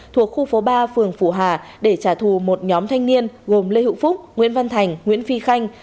thuộc khu phố ba phường phủ hà để trả thù một nhóm thanh niên gồm lê hữu phúc nguyễn văn thành nguyễn phi khanh